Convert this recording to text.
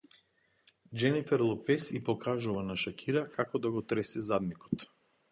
Џенифер Лопез и покажува на Шакира како да го тресе задникот